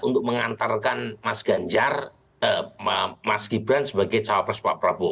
untuk mengantarkan mas ganjar mas gibran sebagai cawapres pak prabowo